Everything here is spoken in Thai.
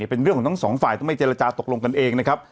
เป็นเรื่องของทั้งสองฝ่ายต้องไม่เจรจาตกลงกันเองนะครับ